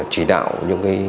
chỉ đạo những cái